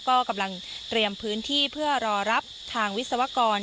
ก็กำลังเตรียมพื้นที่เพื่อรอรับทางวิศวกร